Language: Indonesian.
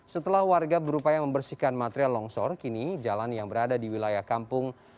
setelah warga berupaya membersihkan material longsor kini jalan yang berada di wilayah kampung